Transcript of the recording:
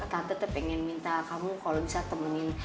tante tuh pengen minta kamu kalau bisa temenin